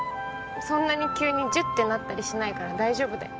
そんなに急にジュッてなったりしないから大丈夫だよ。